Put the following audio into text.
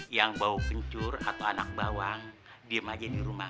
yang bau kencur atau anak bawang diem aja di rumah